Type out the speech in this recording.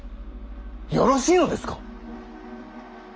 よろしいのですか？